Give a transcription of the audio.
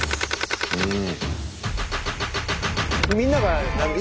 うん。